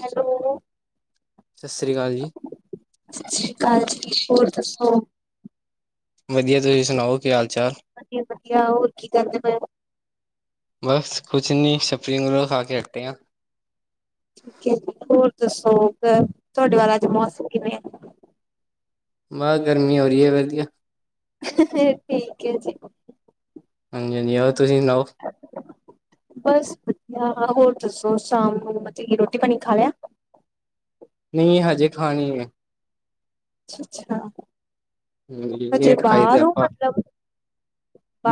Hello. ਸਸਰੀ ਕਾਲ ਜੀ। ਸਸਰੀ ਕਾਲ ਜੀ, ਹੋਰ ਦਸੋ। ਵਧੀਆ ਤੁਸੀ ਸੁਣਾਓ, ਕੀ ਹਾਲ-ਚਾਲ। ਵਧੀਆ- ਵਧੀਆ, ਹੋਰ ਕੀ ਕਰਦੇ ਪਏ ਓ। ਬਸ, ਕੁਛ ਨੀ, ਸਪਰਿੰਗ ਰੋਲ ਖਾ ਕੇ ਹਟੇ ਆ। ਠੀਕ ਹੈ, ਹੋਰ ਦੱਸੋ ਓਧਰ, ਤੁਹਾਡੇ ਵਲ ਅੱਜ ਮੌਸਮ ਕਿਵੇਂ। ਬਹ, ਗਰਮੀ ਹੋ ਰਹੀ ਏ, ਵਧੀਆ। ਠੀਕ ਏ ਜੀ। ਹਾਂਜੀ ਹਾਂਜੀ, ਓ ਤੁਹੀ ਸੁਣਾਓ। ਬਸ ਵਧੀਆ ਹੋਰ ਦੱਸੋ ਸ਼ਾਮ ਨੂੰ ਮਤੀ ਰੋਟੀ-ਪਾਣੀ ਖਾ ਲਯਾ। ਨਈ ਹੱਜੇ ਖਾਣੀ ਏ। ਅੱਛਾ-ਅੱਛਾ ਹਜੇ ਲੇਟ ਖਾਈ ਦਾ ਬਾਰ ਓ ਆਪਾਂ ਮਤਲਬ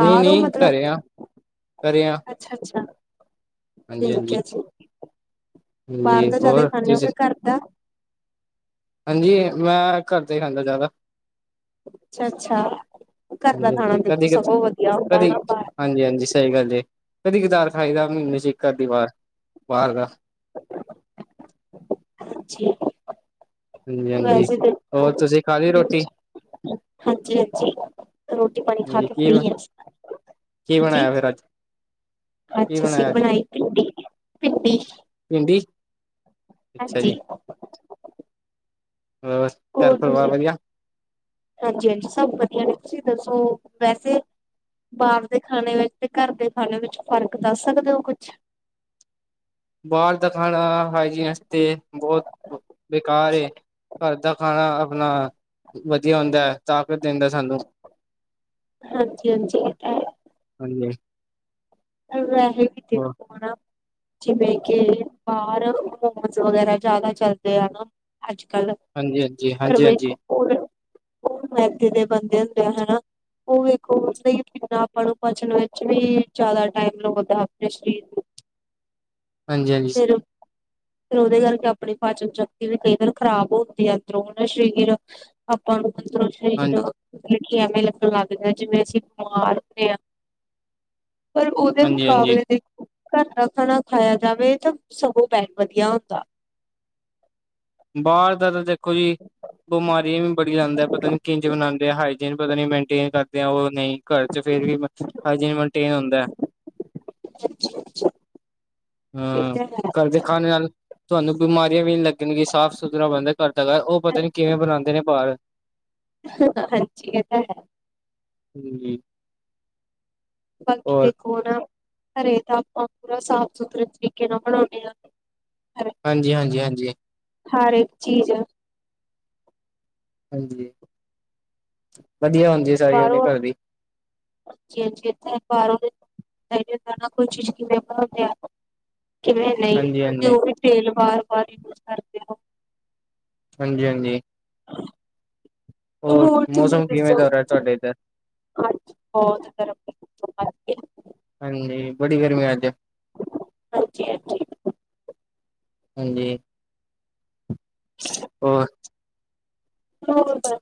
ਨਹੀਂ ਓ ਨਹੀਂ ਮਤਲਬ ਘਰੇ ਆ ਅ ਘਰੇ ਆ ਅੱਛਾ-ਅੱਛਾ ਹਾਂਜੀ ਠੀਕ ਹਾਂਜੀ ਐ ਜੀ। ਬਾਰ ਹਾਂਜੀ ਦਾ ਜਿਆਦਾ ਹੋਰ ਖਾਣੇ ੳ ਤੁਸੀਂ ਕੇ ਘੱਰ ਦਾ? ਹਾਂਜੀ, ਮੈਂ ਘੱਰ ਦਾ ਈ ਖਾਂਦਾ ਜ਼ਿਆਦਾ। ਅੱਛਾ-ਅੱਛਾ ਘਰ ਦਾ ਹਾਂਜੀ ਖਾਣਾ ਦੇਖੋ ਸਗੋਂ ਵਧੀਆ ਹੁੰਦਾ ਏ ਨਾ ਬਾਰ ਹਾਂਜੀ-ਹਾਂਜੀ ਸਈ ਗੱਲ ਏ। ਕਦੀ-ਕਦਾਰ ਖਾਈ ਦੈ ਮੀਨੇਂ ਚ ਏਕ-ਅਦੀ ਵਾਰ ਬਾਰ ਦਾ। ਹਾਂਜੀ ਹਾਂਜੀ ਹਾਂਜੀ ਵੈਸੇ ਹੋਰ ਦੇਖੋ ਤੁਸੀਂ ਖਾ ਲਈ ਰੋਟੀ ਹਾਂਜੀ-ਹਾਂਜੀ ਰੋਟੀ-ਪਾਣੀ ਖਾ ਹਾਂਜੀ ਕੇ ਕੀ ਫ੍ਰੀ ਆ ਐਸਲੇ ਕੀ ਬਣਾਯਾ ਫੇਰ ਅੱਜ? ਕੀ ਅੱਜ ਅਸੀ ਬਣਾਇਆ ਬਣਾਈ ਪਿੰਡੀ-ਪਿੰਡੀ ਪਿੰਡੀ ਹਾਂਜੀ। ਹੋਰ ਘਰ ਹੋਰ ਪਰਿਵਾਰ ਤੁਸੀ ਵਧੀਆ? ਹਾਂਜੀ-ਹਾਂਜੀ ਸਭ ਵਧੀਆ ਨੇ ਤੁਸੀਂ ਦੱਸੋ ਵੈਸੇ ਬਾਹਰ ਦੇ ਖਾਣੇ ਵਿੱਚ ਤੇ ਘੱਰ ਦੇ ਖਾਣੇ ਵਿੱਚ ਫ਼ਰਕ ਦੱਸ ਸਕਦੇ ਓ ਕੁੱਛ? ਬਾਹਰ ਦਾ ਖਾਣਾ ਹਾਈਜੀਣ ਆਸਤੇ ਬੋਹਤ ਬ ਬੇਕਾਰ ਏ। ਕੱਰ ਦਾ ਖਾਣਾ ਆਪਣਾ ਵਧੀਆ ਹੁੰਦਾ। ਤਾਕਤ ਦੇਂਦਾ ਸਾਨੂੰ। ਹਾਂਜੀ ਹਾਂਜੀ ਹਾਂਜੀ। ਪਰ ਵੈਸੇ ਵੀ [unintelligible] ਜਿਵੇਂ ਕਿ ਬਾਰ ਮੋਮਸ, ਵਗੈਰਾ ਜ਼ਿਆਦਾ ਚੱਲਦੇ ਆ ਨਾ ਅੱਜ- ਕੱਲ੍ਹ। ਹਾਂਜੀ-ਹਾਂਜੀ, ਹਾਂਜੀ-ਹਾਂਜੀ। ਓਵੀ ਓ ਮੈਦੇ ਦੇ ਬੰਦੇ ਹੁੰਦੇ ਹੈਨਾ। ਓ ਵੇਖੋ [inaudible] ਟਾਈਮ ਲਵੋਂਦੇ ਅਪਨੇ ਸ਼ਰੀਰ ਨੂ ਹਾਂਜੀ-ਹਾਂਜੀ, ਫੇਰ ਫਿਰ ਉਦੇ ਕਾਰਕੇ ਆਪਣੀ ਪਾਚਨ-ਸ਼ਕਤੀ ਵੀ ਕਈ ਵਾਰ ਖ਼ਰਾਬ ਹੁੰਦੀ ਐ ਅੰਦਰੋਂ ਹੈਂਨਾ ਸ਼ਰੀਰ ਅਪਾਂ ਨੂੰ ਅੰਦਰੋ ਸ਼ਰੀਰ ਹਾਂਜੀ। ਮਤਲਬ ਕਿ ਐਵੇ ਲਗਨ ਲੱਗ ਜਾਏ ਜਿਵੇਂ ਅਸੀਂ ਬਿਮਾਰ ਹੁੰਣੇ ਆਂ। ਪਰ ਓਦੇ ਹਾਂਜੀ-ਹਾਂਜੀ, ਮੁਕਾਬਲੇ ਦੇਖੋ ਘਰ ਦਾ ਖਾਣਾ ਖਾਇਆ ਜਾਵੇ ਤਾਂ ਸਗੋਂ ਬੈਟ ਵਧੀਆ ਹੁੰਦਾ। ਬਾਹਰ ਦਾ ਤਾਂ ਦੇਖੋ ਜੀ ਬਿਮਾਰੀਆਂ ਵੀ ਬੜੀ ਲਾਂਦਾ ਪਤਾ ਨੀ ਕਿੰਜ ਬਣਾਂਦੇ ਐ ਹਾਈਜੀਣ ਜਿਨੂੰ ਪਤਾ ਨੀ ਮੇਨਟੇਨ ਕਰਦੇ ਆ ਓ ਨਈ ਘੱਰ ਚ ਫੇਰ ਵੀ ਹਾਇਜੀਨ ਮੈਨਟੇਨ ਹੁੰਦਾ। [inaudible] ਇਹ ਹਾਂ ਤਾਂ ਹੈ ਕੱਰ ਦੇ ਖਾਣੇ ਨਾਲ ਤੁਹਾਨੂੰ ਬਿਮਾਰੀਆਂ ਵੀ ਨੀ ਲੱਗਣਗੀਆਂ ਸਾਫ਼-ਸੁਥਰਾ ਬਣਦਾ ਕਰ ਦਾ ਓ ਪਤਾ ਨੀ ਕਿਵੇਂ ਬਣਾਦੇ ਨੇ ਬਾਰ ਹਾਂਜੀ ਏ ਤਾਂ ਹੈ। ਹੂੰ। ਬਾਕੀ ਦੇਖੋ ਓ ਨਾ ਘਰੇ ਤਾਂ ਆਪਾਂ ਪੂਰਾ ਸਾਫ਼-ਸੁਥਰੇ ਤਰੀਕੇ ਨਾਲ ਬਣਾਉਂਣੇ ਆ। ਹਾਂਜੀ-ਹਾਂਜੀ-ਹਾਂਜੀ। ਹਰ ਏਕ ਚੀਜ਼ ਹਾਂਜੀ ਵਧੀਆ ਹੁੰਦੀ ਏ ਸਾਰੀ ਅਪਣੇ ਘੱਰ ਦੀ। ਹਾਜੀ-ਹਾਂਜੀ ਇਥੇ ਬਾਰੋਂ ਤੇ [inaudible] ਕਿਵੇਂ ਨਈ ਹਾਂਜੀ ਕਿਉੰਕਿ ਹਾਂਜੀ ਓ ਹੀ ਤੇਲ ਬਾਰ-ਬਾਰ ਯੂਜ ਕਰਦੇ ਓ। ਹਾਂਜੀ- ਹਾਂਜੀ ਹੋਰ ਤੁਸੀਂ ਮੌਸਮ ਕਿਵੇਂ ਦੱਸੋ! ਦਾ ਰਿਹਾ ਤੁਹਾਡੇ ਇੱਧਰ ਅੱਜ ਬਹੁਤ ਗਰਮ ਤਰ੍ਹਾਂ ਕਰਕੇ ਹਾਂਜੀ ਬੜੀ ਗਰਮੀ ਅੱਜ! ਹਾਂਜੀ- ਹਾਂਜੀ ਹਾਂਜੀ। ਅੱ [unintelligible] ਹੋਰ ਹੋਰ ਦਸ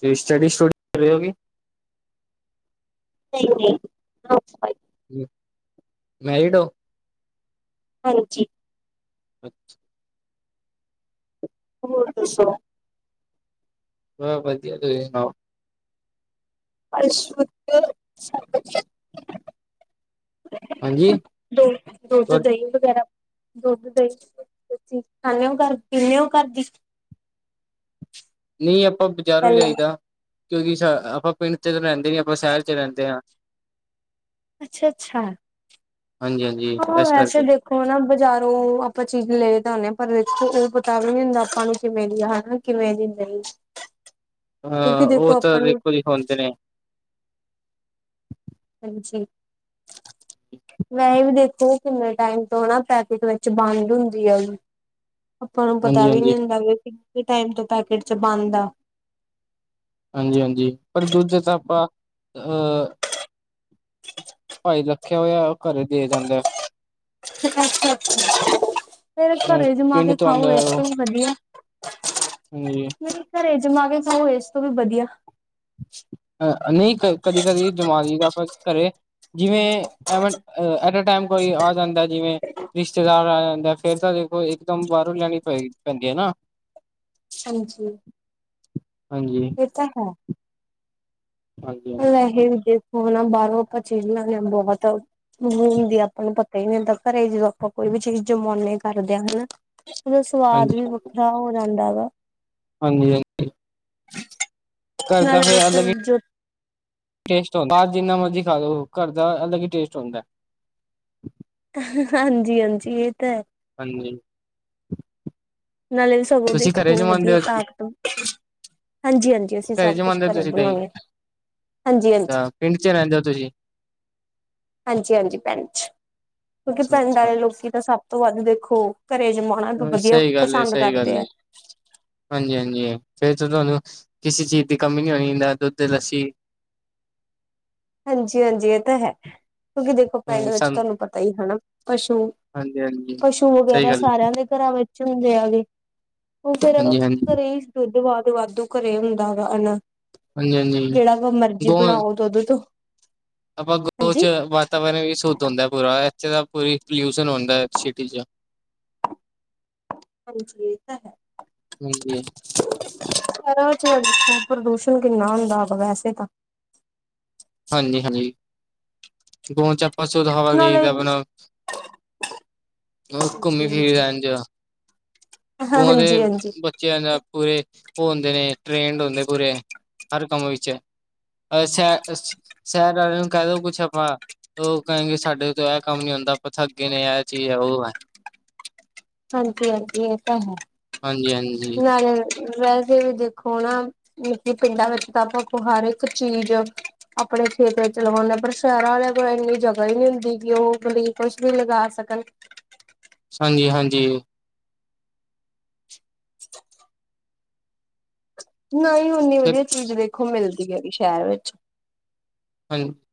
ਤੁਸੀ ਸਟੱਡੀ ਸਟੂਡੀ ਕਰ ਰਹੇ ਹੋ ਗਈ ਨਹੀ ਨਹੀ ਹਾਊਸ ਵਾਇਫ ਮ ਮੈਰੀਡ ਹੋ। ਹਾਂਜੀ। ਅੱਛਾ! ਹੋਰ ਦੱਸੋ। ਬਸ ਵਧੀਆ ਤੁਸੀ ਸੁਣਾਓ। ਬਸ ਵਧੀਆ ਸਭ ਵਧੀਆ ਹਾਂਜੀ! ਦੋ ਦੁੱਧ, ਦਹੀਂ ਵਗੈਰਾ ਦੁੱਧ, ਦਹੀਂ ਕੋਈ ਚੀਜ ਖ਼ਾਨੇ ਓ ਘਰ ਦੀ, ਪੀਨੇ ਓ ਘਰ ਦੀ ਨਹੀਂ ਆਪਾਂ ਬਜ਼ਾਰੋਂ ਹੈਲੋ ਲਿਆਈ ਦਾ ਕਿਉਂਕਿ ਸਭ ਆਪਾਂ ਪਿੰਡ 'ਚ ਤਾਂ ਰਹਿੰਦੇ ਨਹੀਂ ਆਪਾਂ ਸ਼ਹਿਰ 'ਚ ਰਹਿੰਦੇ ਹਾਂ। ਅੱਛਾ -ਅੱਛਾ ਹਾਂਜੀ ਹਾਂਜੀ ਹਾਂ ਇਸ ਵੈਸੇ ਕਰਕੇ ਦੇਖੋ ਓ ਨਾ ਬਜ਼ਾਰੋਂ ਆਪਾਂ ਚੀਜ਼ ਲੇ ਤਾਂ ਆਉਦੇ ਹਾਂ ਪਰ ਦੇਖੋ ਉਹ ਪਤਾ ਵੀ ਨੀ ਹੁੰਦਾ ਆਪਾਂ ਨੂੰ ਕਿਵੇਂ ਦੀ ਆ ਹਨਾ। ਕਿਵੇਂ ਦੀ ਨਹੀ। ਹਾਂ ਉਹ ਤਾਂ ਦੇਖੋ ਜੀ ਹੁੰਦੇ ਨੇ। ਹਾਂਜੀ ਵੈਹੈ ਵੀ ਦੇਖੋ, ਕਿੰਨੇ ਟਾਈਮ ਤੋਂ ਹਨਾਂ ਪੈਕਿਟ ਵਿੱਚ ਬੰਦ ਹੁੰਦੀ ਉਹ ਵੀ। ਆਪਾਂ ਨੂੰ ਪਤਾ ਹਾਂਜੀ ਵੀ ਹਾਂਜੀ ਨੀ ਹੁੰਦਾ ਵੀ ਕਿੰਨੇ ਟਾਈਮ ਤੋਂ ਪੈਕੇਟ 'ਚ ਬੰਦ ਆ। ਹਾਂਜੀ -ਹਾਂਜੀ ਪਰ ਦੂਜਾ 'ਚ ਆਪਾਂ ਅਹ' ਭਾਈ ਰੱਖਿਆ ਹੋਇਆ ਘਰੇ ਦੇ ਜਾਂਦਾ। ਅੱਛਾ ਅੱਛਾ ਫੇਰ ਅ ਘਰੇ ਜਮਾ ਪਿੰਡ ਕੇ ਤੋਂ ਆਉਂਦਾ ਖਾਓ ਇਸ ਤੋਂ ਵੀ ਵਧੀਆ। [inaudible] ਹੋਰ। ਮੇਰੇ ਘਰੇ ਜਮਾ ਕੇ ਖਾਓ ਇਸ ਤੋਂ ਵੀ ਵਧੀਆ ਅ ਨਹੀਂ ਕਦੀ ਕਦੀ ਜਮਾ ਲਈਦਾ ਆਪਾਂ ਘਰੇ ਜਿਵੇਂ ਐ ਐਟਮਟਾਈਮ ਕੋਈ ਆ ਜਾਂਦਾ ਜਿਵੇਂ ਰਿਸ਼ਤੇਦਾਰ ਆ ਜਾਂਦਾ ਫੇਰ ਤਾਂ ਦੇਖੋ ਇੱਕ ਦਮ ਬਾਹਰੋਂ ਲੈਣੀ ਪਏਗੀ ਪੈਂਦੀ ਹੈ ਨਾ ਹਾਂਜੀ ਹਾਂਜੀ ਕਿਤਾਂ ਕੋਲੋਂ ਹਾਂਜੀ ਹਾਂਜੀ ਵੈਸੇ ਵੀ ਦੇਖੋ ਨਾ ਬਾਹਰੋਂ ਆਪਾਂ ਚੇਲਦੇ ਹਾਂ ਬਹੁਤ ਹੁੰਦੀ ਆਪਾਂ ਨੂੰ ਪਤਾ ਕਈ ਦਿਨ ਤੱਕ ਘਰੇ ਜਦੋਂ ਆਪਾਂ ਕੋਈ ਵੀ ਚੀਜ਼ ਜਮਾਉਦੇ ਕਰਦੇ ਹਾਂ ਹਨਾ ਉਹਦਾ ਸਵਾਦ ਹਾਂਜੀ ਵੀ ਬਹੁਤ ਖਰਾਬ ਹੋ ਜਾਂਦਾ ਵਾ ਹਾਂਜੀ ਹਾਂਜੀ ਘਰ ਨਾਲ ਦਾ ਫੇਰ ਬਸ ਅਲੱਗ ਹੀ ਜੋ [unintelligible] ਟੇਸਟ ਹੁੰਦਾ ਜਿੰਨਾ ਮਰਜ਼ੀ ਖਾ ਲੋ ਘਰ ਦਾ ਅਲੱਗ ਹੀ ਟੇਸਟ ਹੁੰਦਾ। ਹਾਂਜੀ- ਹਾਂਜੀ ਇਹ ਤਾਂ ਹੈ। ਹਾਂਜੀ। ਨਾਲੇ ਤੁਸੀਂ ਸਵਾਦਦਿਸਟ ਘਰੇ ਹੋਣ ਜਮਾਉਂਦੇ ਵਧੀਆ ਹੋ ਤਾਕਤ, ਹਾਂਜੀ- ਹਾਂਜੀ। ਤੇ ਅਸੀਂ ਸਭ ਕੁਛ ਜਮਾਉਂਦੇ ਹੋ ਘਰੇ ਤੁਸੀਂ ਦਹੀਂ ਬਣਾਉਦੇ ਹਾਂਜੀ- ਹਾਂਜੀ। ਅੱਛਾ ਪਿੰਡ ਚ ਰਹਿੰਦੇ ਹੋ ਤੁਸੀਂ? ਹਾਂਜੀ- ਹਾਂਜੀ ਪਿੰਡ ਚ, ਕਿਉਂਕਿ ਅੱਛਾ ਪਿੰਡ ਵਾਲੇ ਅੱਛਾ ਲੋਕੀ ਤਾਂ ਸਭ ਤੋਂ ਵੱਧ ਦੇਖੋ ਘਰੇ ਜਮਾ- ਆਪਣਾ ਵਧੀਆ ਸਹੀ ਪਸੰਦ ਕਰਦੇ ਆ। ਹਾਂਜੀ- ਹਾਂਜੀ ਫੇਰ ਤਾਂ ਤੁਹਾਨੂੰ- ਕਿਸੇ ਚੀਜ਼ ਦੀ ਕਮੀ ਨਹੀਂ ਹੋਣੀ ਨਾ ਦੁੱਧ, ਲੱਸੀ। [unintelligible] ਹਾਂਜੀ- ਹਾਂਜੀ ਇਹ ਤਾਂ ਹੈ। ਕਿਉਂਕਿ ਦੇਖੋ ਪਿੰਡ ਹੂੰ ਵਿੱਚ ਸਾਨੂੰ ਤੁਹਾਨੂੰ ਪਤਾ ਹੀ ਹਨਾ ਪਸੂ, ਹਾਂਜੀ-ਹਾਂਜੀ ਪਸ਼ੂ ੂ ਸਹੀ ਵਗੈਰਾ ਗੱਲ ਏ, ਸਾਰਿਆਂ ਦੇ ਘਰਾਂ ਵਿੱਚ ਹੁੰਦੇ ਆਗੇ ਉਹ ਤਾਂ ਹੈਗਾ ਫੇਰ ਹਾਂਜੀ-ਹਾਂਜੀ, ਘਰੇ ਦੁਧ- ਦਾਦ ਵਾਧੂ ਘਰੇ ਹੁੰਦਾ ਵਾ, ਹਨਾ। ਹਾਂਜੀ-ਹਾਂਜੀ ਜਿਹੜਾ ਕੋ ਮਰਜ਼ੀ ਗੋ ਬਣਾਓ ਦੂਧ ਤੋਂ, ਆਪਾਂ ਗੋਵ ਹਾਂਜੀ ਚ ਵਾਤਾਵਰਨ ਵੀ ਸ਼ੁੱਧ ਹੁੰਦਾ ਪੂਰਾ, ਇੱਥੇ ਦਾ ਪੂਰੀ ਪੋਲਿਊਸ਼ਨ ਹੁੰਦਾ ਸਿਟੀ ਚ, ਹਾਂਜੀ ਏ ਤਾਂ ਹੈ। ਉਹ ਇ ਤੇ ਹੈ। ਚ ਪ੍ਰਦੂਸ਼ਣ ਕਿੰਨਾ ਹੁੰਦਾ ਵਾ ਵੈਸੇ ਤਾਂ। ਹਾਂਜੀ- ਹਾਂਜੀ ਗੋਵ ਚ ਆਪਾਂ ਸੂਧ ਹਵਾ ਲੇ ਨਾਲੇ ਕੇ ਆਪਣਾ ਘੁੰਮੀ ਹਾਂਜੀ ਫਿਰੀ ਹਾਂਜੀ। ਰਹਿਣ ਜ ਹਾਂ ਗ ਦੇ ਹਾਂਜੀ ਹਾਂਜੀ [unintelligible] ਪੂਰੇ ਉਹ ਹੁੰਦੇ ਨੇ ਟ੍ਰੇਨਡ ਹੁੰਦੇ ਪੂਰੇ। ਹਰ ਕੰਮ ਵਿੱਚ ਐ, ਸ਼ ਸ਼ਹਿਰ ਵਾਲਿਆਂ ਨੂੰ ਕਹਿ ਦ ਕੁਛ ਆਪਾਂ ਉਹ ਕਹਹਿਣਗੇ ਸਾਡੇ ਤੋਂ ਇਹ ਕੰਮ ਨੀ ਹੁੰਦਾ, ਆਪਾਂ ਥੱਗੇ ਨੇ ਇਹ ਚੀਜ਼ ਹੈ ਉਹ ਹੈ। ਹਾਂਜੀ- ਹਾਂਜੀ ਇਹ ਤਾਂ ਹੈ, ਹਾਂਜੀ ਹਾਂਜੀ ਨਾਲੇ ਵੈਸੇ ਵੀ ਦੇਖੋ ਨਾ ਲੋਕੀ ਪਿੰਡਾਂ ਵਿੱਚ ਤਾਂ ਆਪਾਂ ਹਰ ਇੱਕ ਚੀਜ਼ ਆ। ਆਪਣੇ ਖੇਤਾ ਚ ਲਵਾਉਂਦੇ ਪਰ ਸ਼ਹਿਰਾਂ ਵਾਲਿਆਂ ਕੋਲ ਇੰਨੀ ਜਗਾ ਹੀ ਨੀ ਹੁੰਦੀ ਕਿ, ਉਹ ਆਪਣੇ, ਕੁਛ ਭੀ ਲਗਾ ਸਕਣ। ਹਾਂਜੀ- ਹਾਂਜੀ। [unintelligible] ਨਹੀਂ ਨੀ ਫਿਰ ਵਧੀਆ ਚੀਜ਼ ਦੇਖੋ ਮਿਲਦੀ ਹੈਗੀ ਸ਼ਹਿਰ ਵਿੱਚ। ਹਾਂਜੀ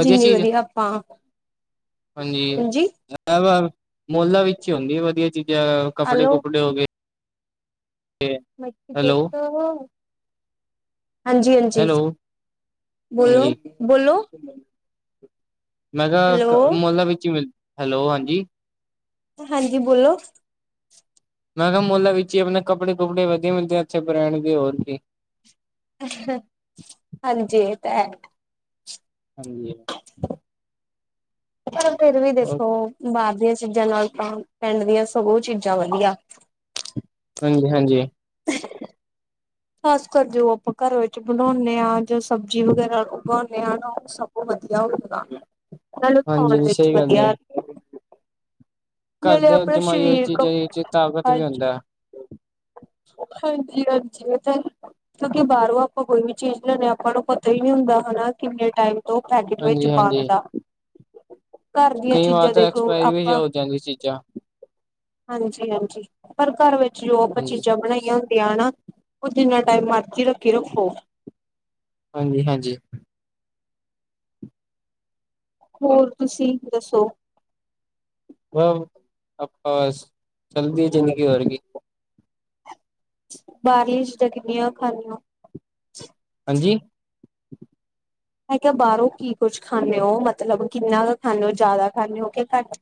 ਜਿੰਨੀ ਚੀਜ਼ ਹੈ ਵਧੀਆ ਆਪਾਂ, ਹਾਂਜੀ ਵ ਮੁੋਲਾ ਵਿੱਚ ਹੀ ਹੁੰਦੀ ਹੈ ਵਧੀਆ ਚੀਜ਼ਾਂ ਕੱਪੜੇ- ਹੈਲੋ ਕੁਪੜੇ ਹੋ ਗਏ। ਮੈਂ ਦੋਤ ਹੈਲੋ ਹੋ [unintelligible] ਹਾਂਜੀ- ਹਾਂਜੀ, ਹੈਲੋ ਹਾਂਜੀ ਬੋਲੋ- ਬੋਲੋ ਮੈਂ ਹੈਲੋ ਕਿਹਾ ਮੁਲਾ ਵਿੱਚ ਹੀ ਮਿਲ, ਹੈਲੋ ਹਾਂਜੀ। ਹਾਂਜੀ ਬੋਲੋ ਮੈਂ ਕਿਹਾ ਮੋਲਾ ਵਿੱਚ ਹੀ ਆਪਣੇ ਕੱਪੜੇ- ਕੁੱਪੜੇ ਵਧੀਆ ਮਿਲਦੇ ਆ ਅੱਛੇ ਬਰਾਂਡ ਦੇ ਹੋਰ ਕੀ। ਹਾਂਜੀ ਐ ਤਾਂ ਹੈ, ਹਾਂਜੀ। ਪਰ ਫੇਰ ਵੀ ਦੇਖੋ। ਬਾਹਰ ਦੀਆਂ ਚੀਜ਼ਾਂ ਨਾਲ ਤਾਂ ਪਿੰਡ ਦੀਆਂ ਸਗੋਂ ਚੀਜ਼ਾਂ ਵਧੀਆ। ਹਾਂਜੀ- ਹਾਂਜੀ। [inaudible] ਖਾਸ ਕਰ ਜੋ ਆਪਾਂ ਘਰ ਵਿੱਚ ਬਣਾਉਂਣੇ ਆ, ਜੋ ਸਬਜ਼ੀ ਵਗੈਰਾ ਉਗਾਉਂਦੇ ਆ ਨਾ ਉਹ ਸ ਉਹ ਵਧੀਆ ਹੋਰ ਸੁਣਾ, ਮੈਂ ਵੀ [unintelligible] ਹਾਂਜੀ ਵਿੱਚ ਸਹੀ ਗੱਲ ਵਧੀਆ ਕਰ ਨਾਲੇ ਦੇ ਆਪਣਾ ਜਮਾਈ ਹੋਈ ਚੀਜ਼ਾਂ ਸਰੀਰ ਚ ਤਾਕਤ ਵੀ ਹੁੰਦਾ ਏ। ਹਾਂਜੀ-ਹਾਂਜੀ, ਏ ਤਾ ਹੈ। ਮਤਲਬ ਕਿ ਬਾਰੋਂ ਆਪਾਂ ਕੋਈ ਵੀ ਚੀਜ਼ ਲੈਦੇ ਆ। ਆਪਾਂ ਨੂੰ ਪਤਾ ਈ ਨੀ ਹੁੰਦਾ ਹਨਾ ਕਿੰਨੇ ਟੇਮ ਕਥੋ ਪੈਕੇਟ ਵਿੱਚ ਹਾਂਜੀ ਬੰਦ ਹਾਂਜੀ ਹੁੰਦਾ। ਕਾਰ ਦੀਆਂ ਕਈ ਵਾਰ ਚੀਜ਼ਾਂ ਤਾਂ ਦੇਖ ਲੋ ਐਕਸਪਾਇਰੀ ਵੀ ਆਪਾਂ ਹੋ ਜਾਂਦੀ ਚੀਜ਼ਾਂ ਹਾਂਜੀ-ਹਾਂਜੀ ਪਰ ਕਾਰ ਵਿੱਚ ਜੋ ਆਪਾਂ ਹਾਂਜੀ ਚੀਜ਼ ਬਣਾਈਆਂ ਹੁੰਦੀਆਂ ਹਨਾ ਓ ਜਿੰਨਾ ਟਾਈਮ ਮਰਜ਼ੀ ਰੱਖੀ ਰੱਖੋ। ਹਾਂਜੀ-ਹਾਂਜੀ। ਹੋਰ ਤੁਸੀਂ ਦੱਸੋ। ਮ ਆਪ ਚੱਲਦੀ ਹੈ ਜ਼ਿੰਦਗੀ ਵਰਗੀ, ਬਾਰਲੀ ਚੀਜ਼ਾਂ ਕਿੰਨੀਆਂ ਕੁ ਖਾਦੇ ਓ। ਹਾਂਜੀ। ਮੈਂ ਕੇਹਾ ਬਾਰੋਂ ਕੀ ਕੁੱਝ ਖਾਂਦੇ ਓ ਮਤਲਬ ਕਿੰਨਾ ਕ ਖਾਂਦੇ ਹੋ ਜਾਦਾ ਖਾਂਦੇ ਹੋ ਕਿ ਘੱਟ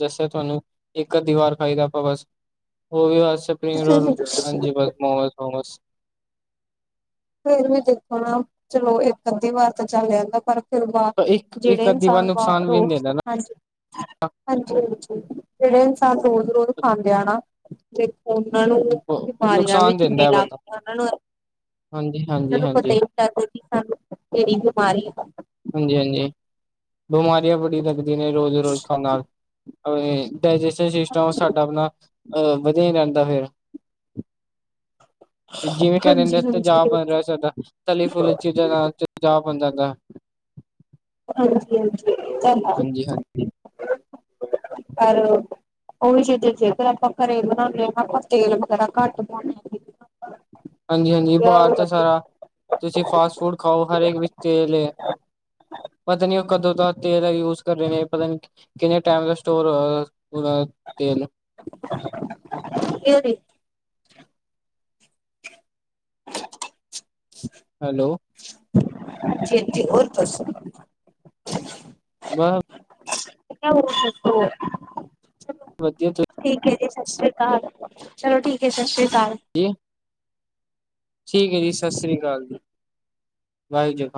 ਜਸੇ ਤੁਆਨੂੰ ਏਕ ਅਧੀ ਵਾਰ ਖਾਈਦਾ ਆਪਾਂ ਬਸ ਉਹ ਵੀ ਬਸ ਸਪਿੰਗ ਰੋਲ ਹਾਂਜੀ ਬਸ ਮੋਮੋਸ-ਮੋਮੋਸ ਫੇਰ ਵੀ ਦੇਖੋ ਨਾ ਚਲੋ ਏਕ ਅੱਧੀ ਵਾਰ ਤਾਂ ਚੱਲ ਜਾਂਦਾ ਪਰ [inaudible] ਇੱਕ ਇੱਕ ਅੱਧੀ ਵਾਰ ਨੁਕਸਾਨ ਵੀ ਨੀ ਦਿੰਦਾ ਨਾ ਹਾਂਜੀ-ਹਾਂਜੀ ਜੇੜੇ ਇਨਸਾਨ ਰੋਜ਼-ਰੋਜ਼ ਖਾਂਦੇ ਆ ਨਾ ਓਨਾਂ ਨੂੰ ਬਿਮਾਰੀਆਂ ਵੀ ਨੁਕਸਾਨ ਦਿੰਦਾ ਕਿਨੀਆਂ ਹੈ ਬਟ ਲੱਗਦੀਆਂ ਉਹਨਾਂ ਨੂੰ ਹਾਂਜੀ ਉਹਨਾਂ ਹਾਂਜੀ ਨੂੰ ਪਤਾ ਈ ਹਾਂਜੀ ਨੀ ਲਗਦਾ ਕਿ ਸਾਨੂੰ ਕੇੜੀ ਬਿਮਾਰੀ ਆ। ਹਾਂਜੀ-ਹਾਂਜੀ ਬਿਮਾਰੀਆਂ ਬੜੀ ਲੱਗਦੀਆਂ ਨੇ ਰੋਜ਼-ਰੋਜ਼ ਖਾਣ ਨਾਲ ਡਾਇਜੈਸ਼ਨ ਸਿਸਟਮ ਉਹ ਸਾਡਾ ਆਪਣਾ ਅ ਵਧੀਆ ਹੀ ਰਹਿੰਦਾ ਫਿਰ ਜਿਵੇਂ ਕੇਹ ਦਿੰਦੇ ਹਾਂਜੀ-ਹਾਂਜੀ। ਤੇਜਾਬ ਬਣ ਰਿਹਾ ਸਾਡਾ, ਤਲੀ-ਫੁਲੀ ਚੀਜ਼ਾਂ ਨਾਲ ਤਜਾਬ ਬਣਦਾ ਜਾਂਦਾ। ਹਾਂਜੀ-ਹਾਂਜੀ ਹਾਂਜੀ ਹਾਂਜੀ [unintelligible] ਪਰ ਓਹੀ ਚੀਜ਼ਾਂ ਜੇਕਰ ਆਪਾਂ ਘਰੇ ਬਣਾਣੇ ਆ ਨਾ ਆਪਾਂ ਤੇਲ ਵਗੈਰਾ ਘੱਟ ਪਾਉਂਣੇ ਹੇਗੇ ਆ। [inaudible] ਹਾਂਜੀ-ਹਾਂਜੀ ਬਾਰ ਤਾਂ ਸਾਰਾ, ਤੁਸੀਂ ਫਾਸਟ ਫੂਡ ਖਾਓ ਹਰੇਕ ਵਿੱਚ ਤੇਲ ਏ। ਪਤ ਨੀ ਓ ਕਦੋਂ ਦਾ ਤੇਲ ਯੂਜ ਕਰ ਰੇ ਨੇ ਪਤਾ ਨੀ ਕਿੰਨੇ ਟੇਮ ਦਾ ਸਟੋਰ ਅ ਹੋਇਆ ਤੇਲ [inaudible] ਹੈਲੋ। ਜ ਜ ਹੋਰ ਦੱਸੋ ਵਾਹ [inaudible] ਵਧੀਆ ਤੁ ਠੀਕ ਐ ਜੀ, ਸਤਿ ਸ਼੍ਰੀ ਅਕਾਲ। ਚਲੋ ਠੀਕ ਐ ਸਤਿ ਸ਼੍ਰੀ ਅਕਾਲ। ਕੀ? ਠੀਕ ਐ ਜੀ ਸਤਿ ਸ੍ਰੀ ਅਕਾਲ ਜੀ ਵਾਹਿਗੁਰ ਖਾਲ